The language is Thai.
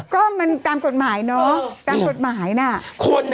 ก็มันตามกฎหมายเนอะตามกฎหมายน่ะ